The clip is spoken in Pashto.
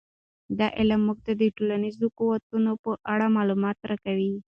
دا علم موږ ته د ټولنیزو قوتونو په اړه معلومات راکوي.